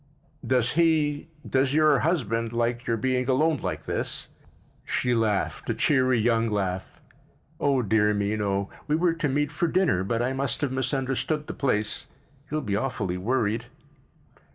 "Does he—does your husband like your being alone like this?" She laughed, a cheery young laugh. "Oh, dear me, no. We were to meet for dinner but I must have misunderstood the place. He'll be awfully worried."